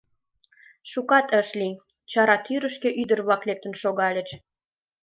Шукат ыш лий, чара тӱрышкӧ ӱдыр-влак лектын шогальыч.